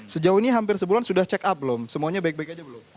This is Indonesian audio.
sejauh ini hampir sebulan sudah check up belum semuanya baik baik aja belum